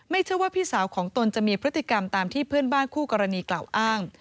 เชื่อว่าพี่สาวของตนจะมีพฤติกรรมตามที่เพื่อนบ้านคู่กรณีกล่าวอ้าง